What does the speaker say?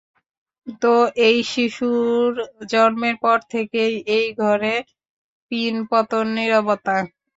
তো এই শিশুর জন্মের পর থেকেই এই ঘরে পিনপতন নীরবতা।